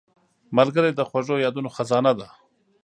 ملګری د خوږو یادونو خزانه ده